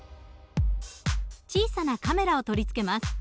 小さなカメラを取り付けます。